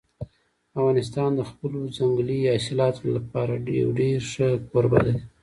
افغانستان د خپلو ځنګلي حاصلاتو لپاره یو ډېر ښه کوربه دی.